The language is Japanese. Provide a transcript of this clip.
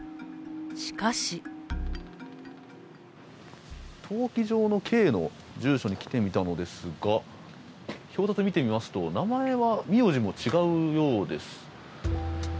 しかし登記上のＫの住所に来てみたのですが、表札を見てみますと、名前は、名字も違うようです。